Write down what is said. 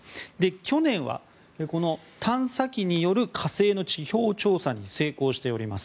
去年はこの探査機による火星の地表調査に成功しております。